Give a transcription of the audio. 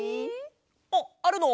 あっあるの？